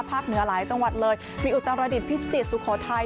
ภาคเหนือหลายจังหวัดเลยมีอุตรศาสตร์ระดิษฐ์พิจิตรสุโขทัย